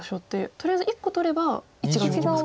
とりあえず１個取れば１眼できますか。